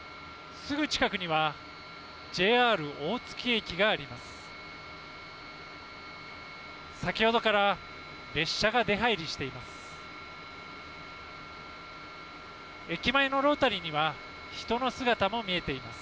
すぐ近くにはＪＲ大月駅があります。